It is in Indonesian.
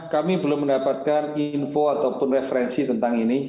kami belum mendapatkan info ataupun referensi tentang ini